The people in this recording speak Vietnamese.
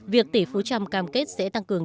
việc tỷ phú trump cam kết sẽ tăng cường